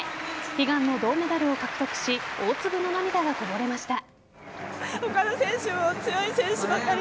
悲願の銅メダルを獲得し大粒の涙がこぼれました。